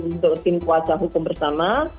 untuk tim kuasa hukum bersama